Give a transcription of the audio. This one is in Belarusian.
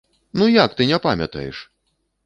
Ну як ты не памятаеш?!